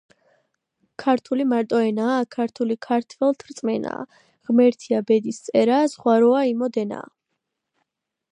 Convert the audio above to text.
ქარტული მარტო ენაა? ქართული ქართველთ რწმენაა, ღმერთია ბედისწერაა, ზღვა როა იმოდენაა